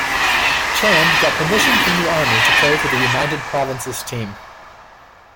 Chand got permission from the Army to play for the United Provinces team.